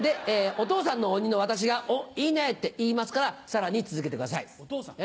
お父さんの鬼の私が「いいねぇ！」って言いますからさらに続けてください。